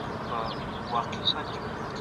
هغه څوک چي قدرت لري ډیر دوستان لري.